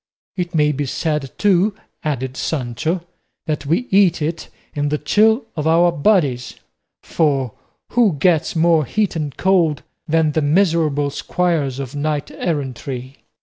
"It may be said, too," added Sancho, "that we eat it in the chill of our bodies; for who gets more heat and cold than the miserable squires of knight errantry?